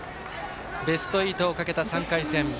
ベスト８をかけた３回戦。